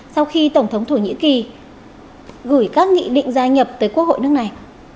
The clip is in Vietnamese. sau khi tổng thống thổ nhĩ kỳ gửi các nghị định gia nhập tới quốc hội nước này